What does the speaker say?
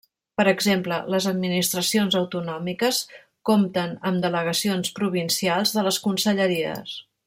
Per exemple: les administracions autonòmiques compten amb Delegacions provincials de les Conselleries.